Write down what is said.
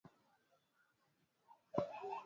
Gavana wa mkoa wa Rasi ya Mashariki